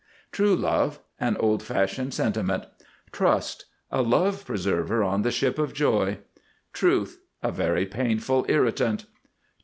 TRUE LOVE. An old fashioned sentiment. TRUST. A love preserver on the Ship of Joy. TRUTH. A very painful irritant.